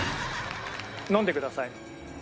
飲んでください。